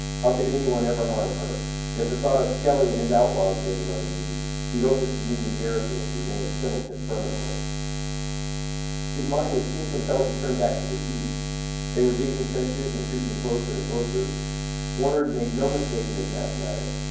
How could anyone ever harm her! Yet the thought of Skelly and his outlaws made him uneasy. He hoped that the Union garrison would remain in Pendleton permanently. His mind was soon compelled to turn back to the siege. They were digging trenches and creeping closer and closer. Warner had made no mistake in his mathematics.